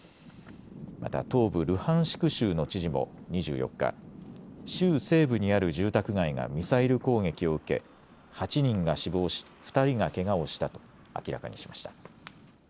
また東部ルハンシク州の知事も２４日、州西部にある住宅街がミサイル攻撃を受け８人が死亡し２人がけがをしたと明らかにしました。